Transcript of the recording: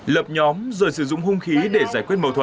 lập nhóm rồi sử dụng hung khí để giải quyết mâu thuẫn